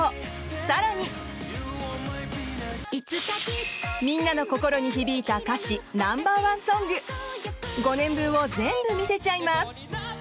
更に、みんなの心に響いた歌詞ナンバー１ソング５年分を全部見せちゃいます。